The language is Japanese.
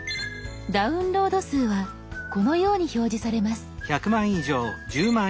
「ダウンロード数」はこのように表示されます。